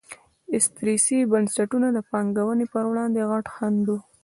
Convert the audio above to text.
استثري بنسټونه د پانګونې پر وړاندې غټ خنډ وو.